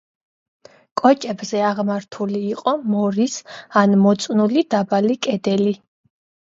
კოჭებზე აღმართული იყო მორის ან მოწნული დაბალი კედელი.